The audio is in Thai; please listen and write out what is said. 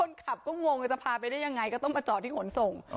คนขับก็งงว่าจะพาไปได้ยังไงก็ต้องมาจอดที่ขนส่ง